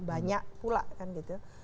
banyak pula kan gitu